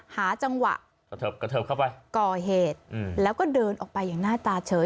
หาจังหวะกระเทิบกระเทิบเข้าไปก่อเหตุแล้วก็เดินออกไปอย่างหน้าตาเฉย